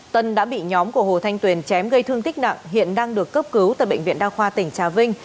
tân đã bị nhóm của hồ thanh tuyền chém gây thương tích nặng hiện đang được cấp cứu tại bệnh viện đa khoa tỉnh trà vinh